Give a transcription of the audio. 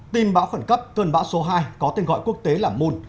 tin bão khẩn cấp cơn bão số hai có tên gọi quốc tế là moon